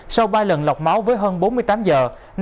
sau ba lần lọc máu với hơn bốn mươi tám giờ